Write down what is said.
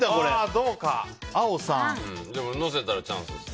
載せたらチャンスです。